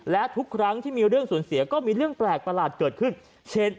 และทุกครั้งที่มีเรื่องสูญเสียก็มีเรื่องแปลกประหลาดเกิดขึ้นเช่น